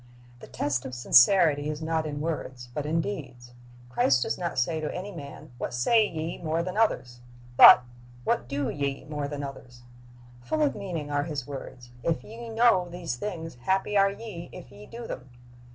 "^ The test of sincerity is not in words, but in deeds. Christ does not say to any man, What say ye more than others? but, "What do ye more than others?"'' Full of meaning are His words, "If ye know these things, happy are ye if ye do them."